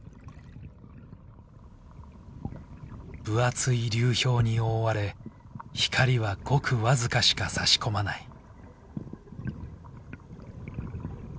分厚い流氷に覆われ光はごく僅かしかさし込まない。